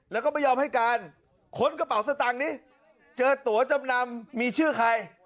แล้วก็ไม่ยอมให้การค้นกระเป๋าสตางค์นี้เจอตัวจำนำมีชื่อใคร